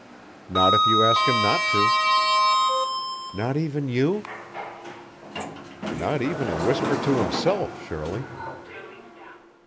"Not if you ask him not to." "Not even you?" "Not even a whisper to himself, Shirley."